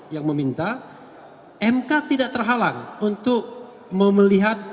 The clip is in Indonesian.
yang meminta mk tidak terhalang untuk melihat